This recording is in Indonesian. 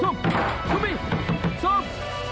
su su bin